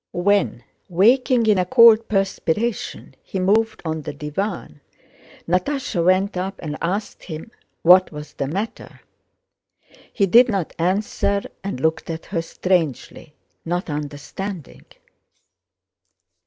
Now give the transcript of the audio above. When, waking in a cold perspiration, he moved on the divan, Natásha went up and asked him what was the matter. He did not answer and looked at her strangely, not understanding.